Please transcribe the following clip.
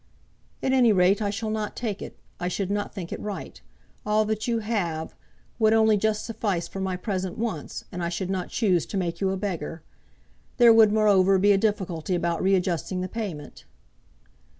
"At any rate, I shall not take it. I should not think it right. All that you have would only just suffice for my present wants, and I should not choose to make you a beggar. There would, moreover, be a difficulty about readjusting the payment."